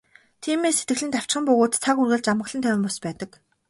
Тиймээс сэтгэл нь давчхан бөгөөд цаг үргэлж амгалан тайван бус байдаг.